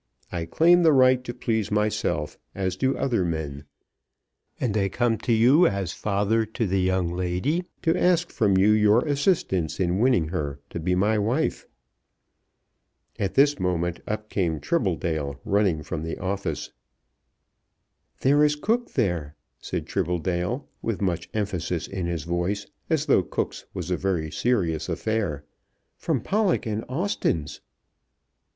I claim the right to please myself, as do other men, and I come to you as father to the young lady to ask from you your assistance in winning her to be my wife." At this moment up came Tribbledale running from the office. "There is Cooke there," said Tribbledale, with much emphasis in his voice, as though Cooke's was a very serious affair; "from Pollock and Austen's."